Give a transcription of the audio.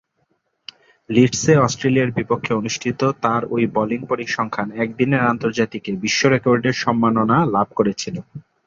লিডসে অস্ট্রেলিয়ার বিপক্ষে অনুষ্ঠিত তার ঐ বোলিং পরিসংখ্যান একদিনের আন্তর্জাতিকে বিশ্বরেকর্ডের সম্মাননা লাভ করেছিল।